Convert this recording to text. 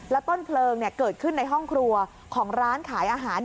ต้นเพลิงเกิดขึ้นในห้องครัวของร้านขายอาหาร